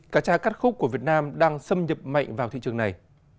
cà cha cắt khúc của việt nam đang xâm nhập mạnh vào thị trường này